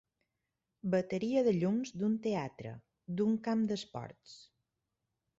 Bateria de llums d'un teatre, d'un camp d'esports.